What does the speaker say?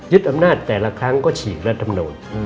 ยึดอำนาจแต่ละครั้งก็ฉีกรัฐมนุษย์